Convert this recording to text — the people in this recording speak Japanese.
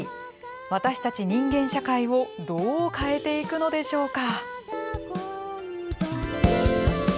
私たち人間社会をどう変えていくのでしょうか。